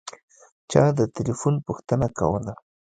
چا د تیلیفون پوښتنه کوله.